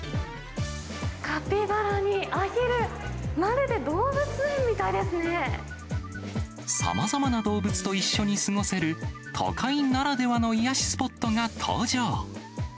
カピバラにアヒル、さまざまな動物と一緒に過ごせる、都会ならではの癒やしスポットが登場。